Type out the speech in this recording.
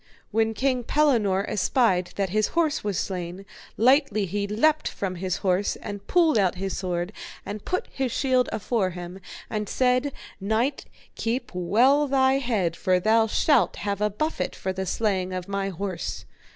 When King Pellinore espied that his horse was slain, lightly he leapt from his horse and pulled out his sword, and put his shield afore him, and said, Knight, keep well thy head, for thou shalt have a buffet for the slaying of my horse.